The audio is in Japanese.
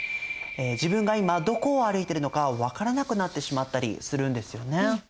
自分が今どこを歩いてるのか分からなくなってしまったりするんですよね。